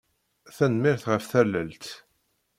Tanemmirt ɣef tallelt.